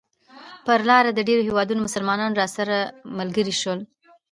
پر لاره د ډېرو هېوادونو مسلمانان راسره ملګري شول.